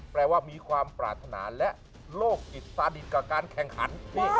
แปลว่ามีความปรารถนาและโลกจิตสาดิตกับการแข่งขัน